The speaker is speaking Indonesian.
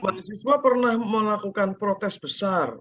mahasiswa pernah melakukan protes besar